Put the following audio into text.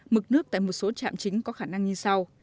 mực nước tại một số trạm chính có khả năng như sau